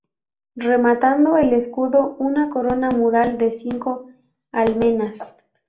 Rematando el escudo, una corona mural de cinco almenas.